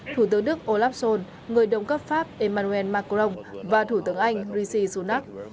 thủ tướng đức olaf schol người đồng cấp pháp emmanuel macron và thủ tướng anh rishi sunak